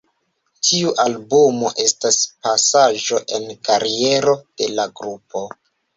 Tiu albumo estas pasaĵo en kariero de la grupo.